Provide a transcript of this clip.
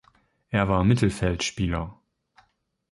Er war Mittelfeldspieler.